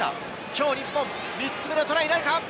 きょう、日本３つ目のトライなるか。